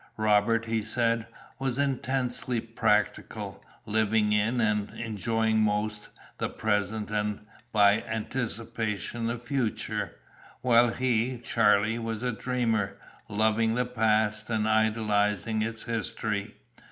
Robert, he said, was intensely practical, living in and enjoying most, the present, and by anticipation, the future, while he (Charlie) was a dreamer, loving the past, and idealising its history.